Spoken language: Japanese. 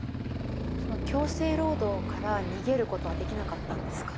その強制労働から逃げることはできなかったんですか？